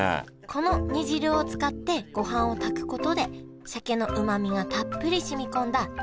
この煮汁を使ってごはんを炊くことで鮭のうまみがたっぷりしみこんだ炊き込みごはんが出来ます